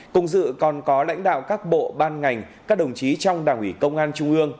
cùng dự còn có lãnh đạo các bộ ban ngành các đồng chí trong đảng ủy công an trung ương